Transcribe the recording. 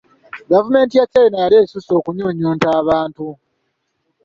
Gavumenti ya China yali esusse okunyuunyunta abantu.